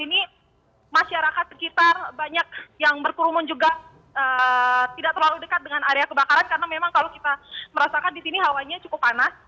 ini masyarakat sekitar banyak yang berkerumun juga tidak terlalu dekat dengan area kebakaran karena memang kalau kita merasakan di sini hawanya cukup panas